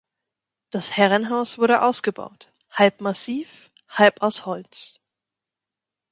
Das Herrenhaus wurde ausgebaut, halb massiv, halb aus Holz.